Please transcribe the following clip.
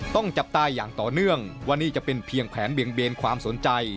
จับตาอย่างต่อเนื่องว่านี่จะเป็นเพียงแผนเบี่ยงเบนความสนใจ